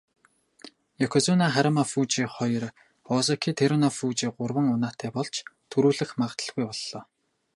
Ёкозүна Харүмафүжи хоёр, озеки Тэрүнофүжи гурван унаатай болж түрүүлэх магадлалгүй боллоо.